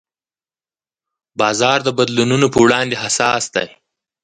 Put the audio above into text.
بازار د بدلونونو په وړاندې حساس دی.